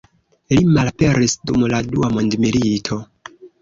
Li malaperis dum la dua mondmilito.